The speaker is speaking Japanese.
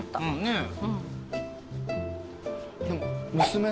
ねえ。